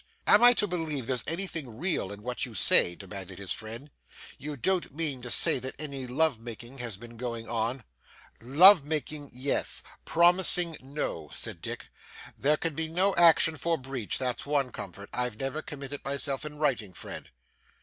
'Am I to believe there's anything real in what you say?' demanded his friend; 'you don't mean to say that any love making has been going on?' 'Love making, yes. Promising, no,' said Dick. 'There can be no action for breach, that's one comfort. I've never committed myself in writing, Fred.